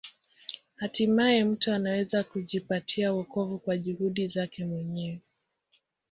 Hatimaye mtu anaweza kujipatia wokovu kwa juhudi zake mwenyewe.